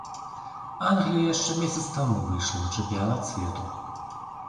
Англія яшчэ месяц таму выйшла на чэмпіянат свету.